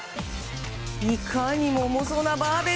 いかにも重そうなバーベル。